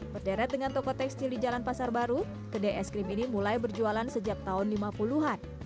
berderet dengan toko tekstil di jalan pasar baru kedai es krim ini mulai berjualan sejak tahun lima puluh an